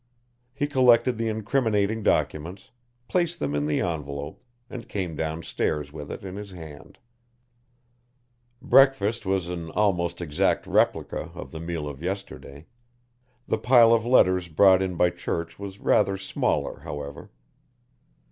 He collected the incriminating documents, placed them in the envelope, and came downstairs with it in his hand. Breakfast was an almost exact replica of the meal of yesterday; the pile of letters brought in by Church was rather smaller, however.